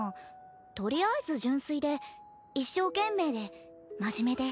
とりあえず純粋で一生懸命で真面目で。